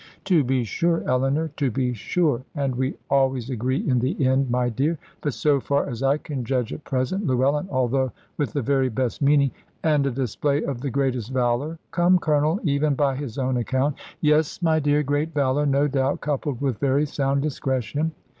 "To be sure, Eleanor, to be sure! And we always agree in the end, my dear. But so far as I can judge at present, Llewellyn, although with the very best meaning " "And a display of the greatest valour. Come, Colonel, even by his own account " "Yes, my dear, great valour, no doubt, coupled with very sound discretion.